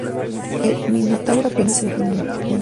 El Minotauro apenas se defendió.